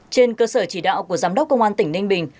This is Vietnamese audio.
trên cơ sở chỉ đạo của giám đốc công an tỉnh ninh bình